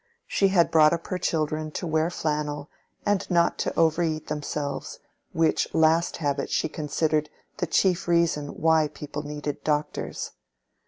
She had brought up her children to wear flannel and not to over eat themselves, which last habit she considered the chief reason why people needed doctors.